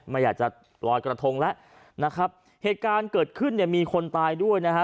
ไม่อยากจะลอยกระทงแล้วนะครับเหตุการณ์เกิดขึ้นเนี่ยมีคนตายด้วยนะฮะ